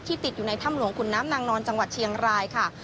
ติดอยู่ในถ้ำหลวงขุนน้ำนางนอนจังหวัดเชียงรายค่ะ